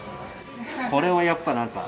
これはやっぱ何か。